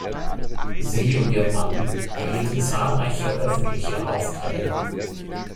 Sie und ihr Mann erhielten zahlreiche öffentliche Aufträge.